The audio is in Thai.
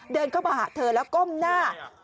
เดินเข้ามาหาเธอแล้วก้มหน้า